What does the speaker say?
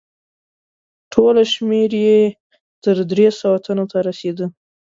ټوله شمیر یې تر درې سوه تنو ته رسیده.